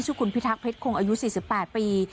ชื่อคุณพิทักเพชรคงอายุ๔๘ปี